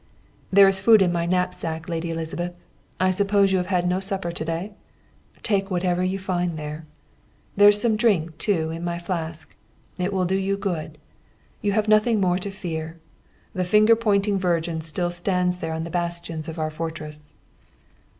"'There is food in my knapsack, lady Elizabeth. I suppose you have had no supper to day? Take whatever you find there. There's some drink, too, in my flask. It will do you good. You have nothing more to fear. The finger pointing virgin still stands there on the bastions of our fortress.'